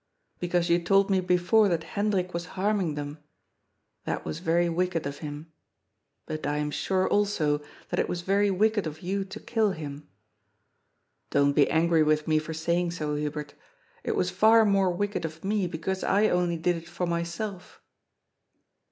Because you told me before that Hendrik was harming them. That was very wicked of him. But I am sure also that it was very wicked of you to kill him. Don't be angry with me for saying so, Hubert It was far more wicked of me, because I only did it for myself."